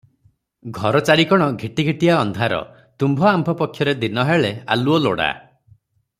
ଘର ଚାରିକଣ ଘିଟିଘିଟିଆ ଅନ୍ଧାର, ତୁମ୍ଭ ଆମ୍ଭ ପକ୍ଷରେ ଦିନହେଳେ ଆଲୁଅ ଲୋଡ଼ା ।